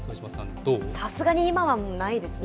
さすがに今はないですね。